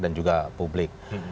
dan juga publik